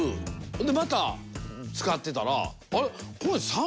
でまた使ってたら。